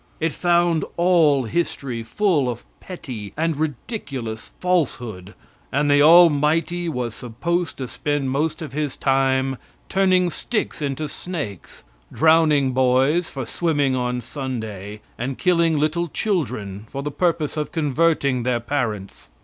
It found all history full of petty and ridiculous falsehood, and the Almighty was supposed to spend most of his time turning sticks into snakes, drowning boys for swimming on Sunday, and killing little children for the purpose of converting their parents.